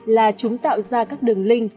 là chúng tạo ra các đường linh